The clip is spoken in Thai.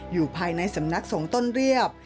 อยู่ภายในสำนักสงต้นเรียบ